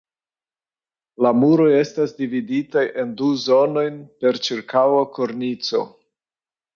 La muroj estas dividitaj en du zonojn per ĉirkaŭa kornico.